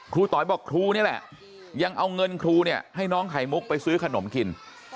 ต๋อยบอกครูนี่แหละยังเอาเงินครูเนี่ยให้น้องไข่มุกไปซื้อขนมกิน